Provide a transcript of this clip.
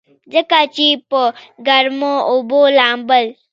ځکه چې پۀ ګرمو اوبو لامبل